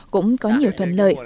cũng có nhiều thuận lợi